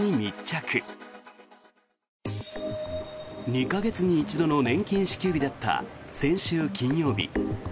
２か月に一度の年金支給日だった先週金曜日。